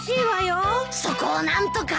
そこを何とか！